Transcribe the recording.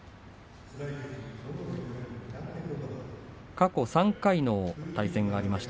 過去３回の対戦があります。